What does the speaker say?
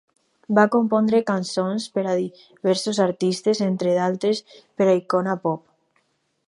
Va compondre cançons per a diversos artistes, entre d'altres per a Icona Pop.